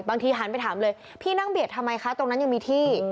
หันไปถามเลยพี่นั่งเบียดทำไมคะตรงนั้นยังมีที่